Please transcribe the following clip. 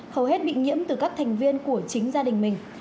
hầu hết bị nhiễm từ các thành viên của chính gia đình mình